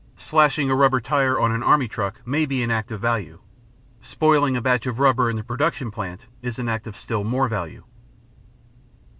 Slashing a rubber tire on an Army truck may be an act of value; spoiling a batch of rubber in the production plant is an act of still more value.